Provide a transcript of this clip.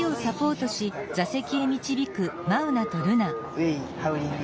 うぇいハウリング。